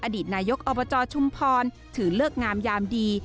อดีตนายกอบจชุมพรถือเลิกงามยามดี